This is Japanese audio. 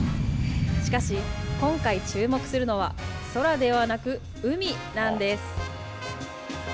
しかし、今回注目するのは、空ではなく海なんです。